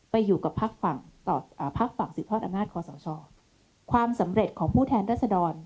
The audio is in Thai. ไปอยู่กับภักดิ์ฝั่งต่ออ่าภักดิ์ฝั่งสิทธิ์ทอดอำนาจความสำเร็จของผู้แทนรัศดร